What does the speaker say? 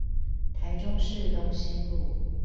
台中市東興路